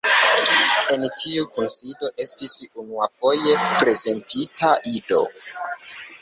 En tiu kunsido estis unuafoje prezentita Ido.